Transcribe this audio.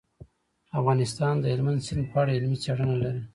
افغانستان د هلمند سیند په اړه علمي څېړنې لري.